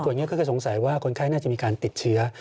ส่วนนี้ก็คือสงสัยว่าคนไข้น่าจะมีการติดเชื้อ